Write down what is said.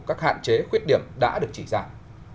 các hạn chế khuyết điểm đã được chỉ dạng